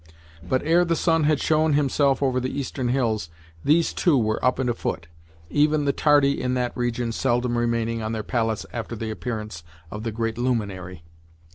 But ere the sun had shown himself over the eastern hills these too were up and afoot, even the tardy in that region seldom remaining on their pallets after the appearance of the great luminary.